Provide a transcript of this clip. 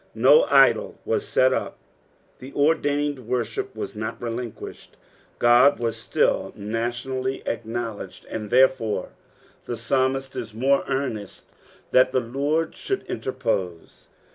No idol was set up, the ordained worship was not relinquished, God was still nationally acknowledged, and therefore the psalmist is more earnest that the Lord ehonid interpose.